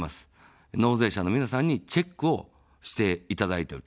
納税者の皆さんにチェックをしていただいていると。